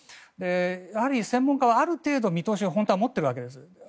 やはり専門家はある程度見通しは本当は持っているわけです。